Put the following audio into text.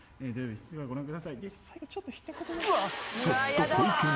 ［そっと小池の］